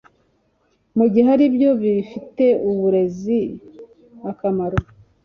mu gihe ari byo bifitiye uburezi akamaro